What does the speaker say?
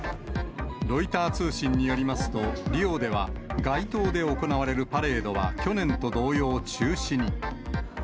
ロイター通信によりますと、リオでは街頭で行われるパレードは去年と同様中止に。